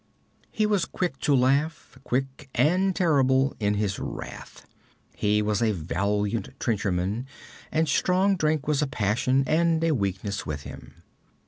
He was quick to laugh, quick and terrible in his wrath. He was a valiant trencherman, and strong drink was a passion and a weakness with him.